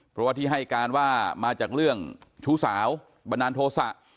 เพราะว่าที่ให้การว่ามาจากเรื่องชู้สาวบันดาลโทษะ